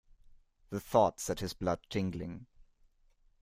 The thought set his blood tingling.